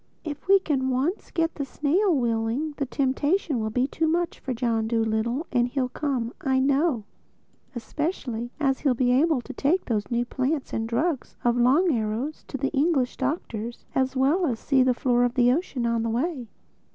If we can once get the snail willing, the temptation will be too much for John Dolittle and he'll come, I know—especially as he'll be able to take those new plants and drugs of Long Arrow's to the English doctors, as well as see the floor of the ocean on the way."